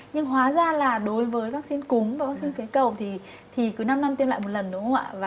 nhưng hóa ra là đối với vaccine cúm và vaccine phế cầu thì cứ năm năm tiêm lại một lần đúng không ạ